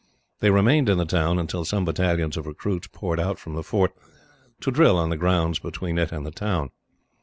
They remained in the town until some battalions of recruits poured out from the fort, to drill on the grounds between it and the town.